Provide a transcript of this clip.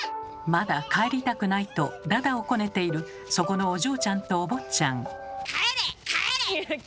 まだ帰りたくないとだだをこねているそこのお嬢ちゃんとお坊ちゃん。